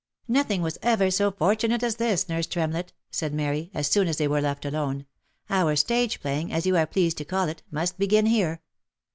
" Nothing was ever so fortunate as this, nurse Tremlett," said Mary, as soon as they were left alone ;" our stage playing, as you are pleased to call it, must begin here.